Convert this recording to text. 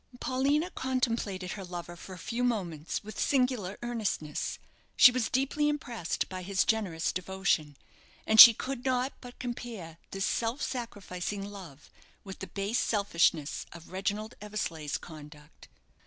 Paulina contemplated her lover for a few moments with singular earnestness. She was deeply impressed by his generous devotion, and she could not but compare this self sacrificing love with the base selfishness of Reginald Eversleigh's conduct.